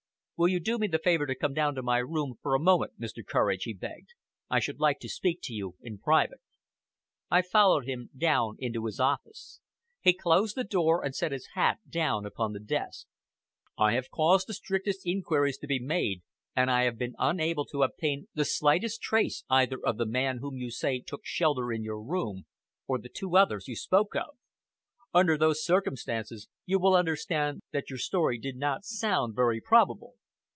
"Will you do me the favor to come down to my room for a moment, Mr. Courage?" he begged. "I should like to speak to you in private." I followed him down into his office. He closed the door, and set his hat down upon the desk. "I have caused the strictest inquiries to be made, and I have been unable to obtain the slightest trace either of the man whom you say took shelter in your room, or the two others you spoke of. Under those circumstances, you will understand that your story did not sound very probable."